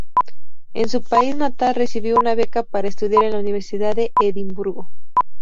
En su país natal recibió una beca para estudiar en la Universidad de Edimburgo.